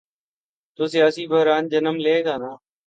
تو سیاسی بحران جنم لے گا۔